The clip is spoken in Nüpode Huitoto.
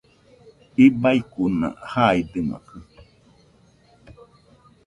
Ibaikuna jaidɨmakɨ